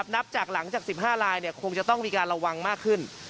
นับจากหลังจาก๑๕ลายคงจะต้องมีการระวังมากขึ้น